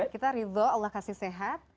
kita ridho allah kasih sehat